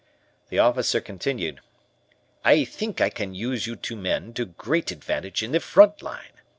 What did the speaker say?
The officer continued: "I think I can use you two men to great advantage in the front line.